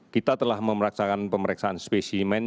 kita telah memeriksakan pemeriksaan spesimen